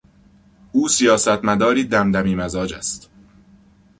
او سیاستمداری دمدمی مزاج است.